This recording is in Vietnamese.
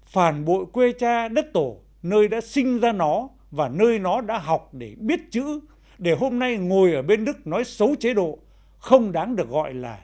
phản bội quê cha đất tổ nơi đã sinh ra nó và nơi nó đã học để biết chữ để hôm nay ngồi ở bên đức nói xấu chế độ không đáng được gọi là